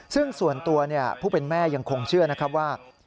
ซึ่งส่วนตัวผู้เป็นแม่ยังคงเชื่อนะครับว่า